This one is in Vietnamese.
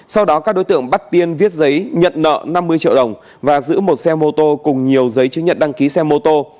sau đó các đối tượng bắt tiên viết giấy nhận nợ năm mươi triệu đồng và giữ một xe mô tô cùng nhiều giấy chứng nhận đăng ký xe mô tô